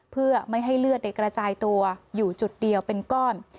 เพื่อไม่ให้เลือดกระจายตัวอยู่จุดเดียวเป็นก้อน